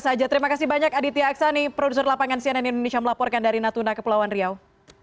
saja terima kasih banyak aditya aksani produser lapangan cnn indonesia melaporkan dari natuna kepulauan riau